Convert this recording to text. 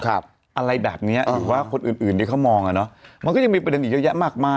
อะไรแบบนี้อยากว่าคนอื่นที่เขามองอะเนอะมันก็ยังมีปัญหาอีกยักษ์มากมาย